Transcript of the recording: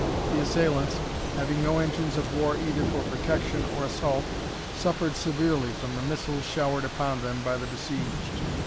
The assailants, having no engines of war either for protection or assault, suffered severely from the missiles showered upon them by the besieged.